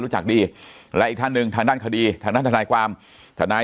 รู้จักดีและอีกท่านหนึ่งทางด้านคดีทางด้านทนายความทนาย